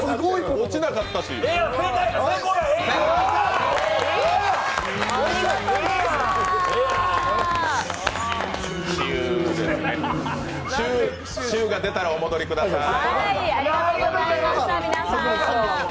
「シュー」が出たらお戻りください。